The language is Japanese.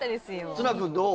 綱君どう？